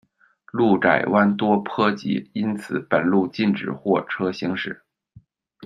路窄弯多坡急，因此本路禁止货车行驶。